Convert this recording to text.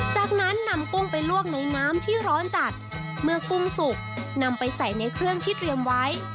จากนั้นนำกุ้งไปลวกในน้ำที่ร้อนจัดเมื่อกุ้งสุกนำไปใส่ในเครื่องที่เตรียมไว้